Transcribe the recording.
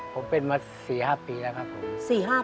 ผมเป็นมา๔๕ปีแล้วครับผม